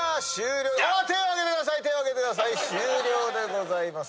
終了でございます。